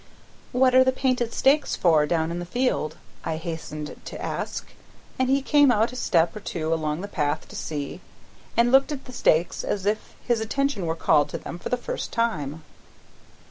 "What are the painted stakes for, down in the field?" I hastened to ask, and he came out a step or two along the path to see; and looked at the stakes as if his attention were called to them for the first time.